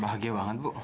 bahagia banget bu